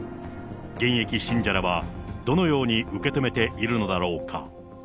現役信者らは、どのように受け止めているのだろうか。